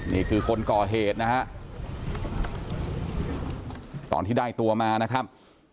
นี่คือคนก่อเหตุนะฮะตอนที่ได้ตัวมานะครับ